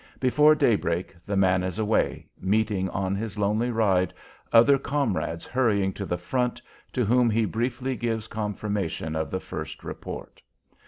Before daybreak the man is away, meeting on his lonely ride other comrades hurrying to the front, to whom he briefly gives confirmation of the first report.